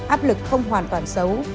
áp lực không hoàn toàn xấu